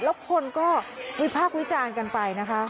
แล้วคนก็วิพากษ์วิจารณ์กันไปนะคะ